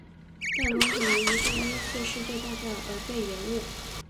但工程由于第一次世界大战而被延误。